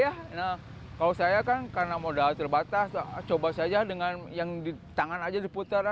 ya kalau saya kan karena modal terbatas coba saja dengan yang di tangan aja diputar